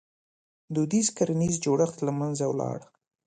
• دودیز کرنیز جوړښت له منځه ولاړ.